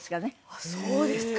あっそうですか。